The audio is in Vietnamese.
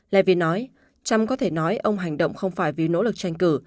levin nói trump có thể nói ông hành động không phải vì nỗ lực tranh cử